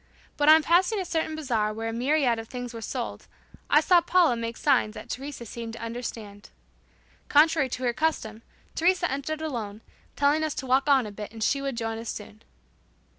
But on passing a certain bazaar where a myriad of things were sold, I saw Paula make signs that Teresa seemed to understand. Contrary to her custom Teresa entered alone, telling us to walk on a bit and she would join us soon.